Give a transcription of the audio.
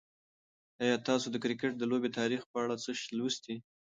آیا تاسو د کرکټ د لوبې د تاریخ په اړه څه لوستي؟